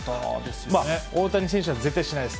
大谷選手は絶対しないです。